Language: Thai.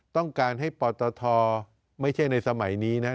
ต้องการให้ปตทไม่ใช่ในสมัยนี้นะ